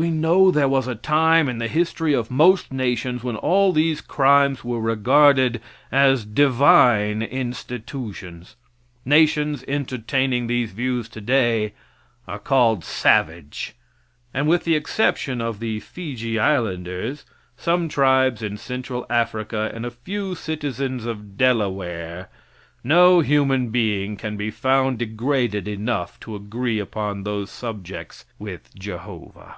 We know there was a time in the history of most nations when all these crimes were regarded as divine institutions. Nations entertaining these views today are called savage, and with the exception of the Feejee islanders, some tribes in Central Africa, and a few citizens of Delaware, no human being can be found degraded enough to agree upon those subjects with Jehovah.